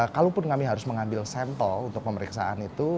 kalaupun kami harus mengambil sampel untuk pemeriksaan itu